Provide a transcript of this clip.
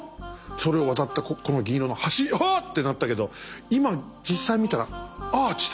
「それを渡ったこの銀色の橋」「ハッ！」ってなったけど今実際見たらアーチだ。